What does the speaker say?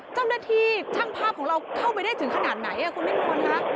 เจ้าหน้าที่ช่างภาพของเราเข้าไปได้ถึงขนาดไหนคุณนิ่มนวลค่ะ